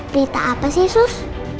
berita apa sih sus